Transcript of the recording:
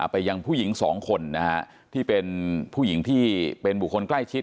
ไปยังผู้หญิงสองคนนะฮะที่เป็นผู้หญิงที่เป็นบุคคลใกล้ชิด